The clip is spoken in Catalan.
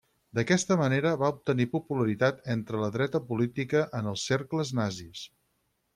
D'aquesta manera va obtenir popularitat entre la dreta política en els cercles nazis.